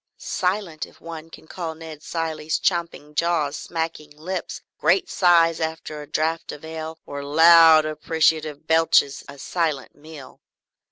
Silent if one can call Ned Cilley's champing jaws, smacking lips, great sighs after a draught of ale, or loud appreciative belches a silent meal.